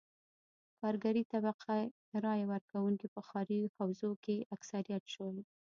کارګرې طبقې رایه ورکوونکي په ښاري حوزو کې اکثریت شول.